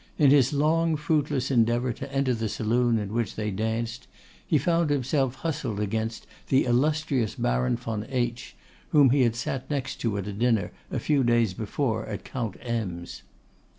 In his long fruitless endeavour to enter the saloon in which they danced, he found himself hustled against the illustrious Baron von H t, whom he had sat next to at dinner a few days before at Count M é's.